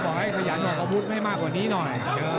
กล่อไห้ขยันทำขวดให้มากกว่านี้หน่อย